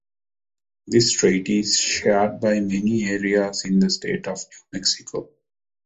This trait is shared by many areas in the state of New Mexico.